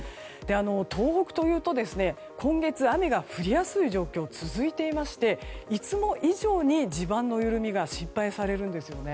東北というと今月、雨が降りやすい状況が続いていまして、いつも以上に地盤の緩みが心配されます。